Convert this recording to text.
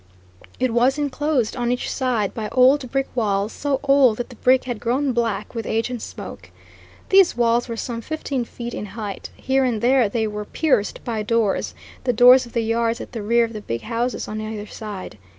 It was inclosed on each side by old brick walls, so old that the brick had grown black with age and smoke. These walls were some fifteen feet in height; here and there they were pierced by doors the doors of the yards at the rear of the big houses on either side.